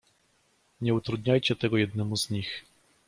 "Nie utrudniajcie tego jednemu z nich."